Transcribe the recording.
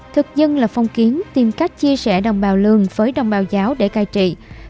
thực dân là phong kiến tìm cách chia sẻ đồng bào lương với đồng bào giáo để cai trị